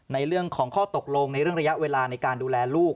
ในเรื่องของข้อตกลงในเรื่องระยะเวลาในการดูแลลูก